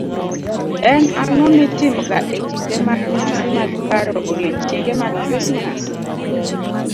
En ang'o mitimoga e kinde mag nyasi mag paro odiechienge mag Krismas?